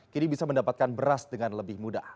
kini bisa mendapatkan beras dengan lebih mudah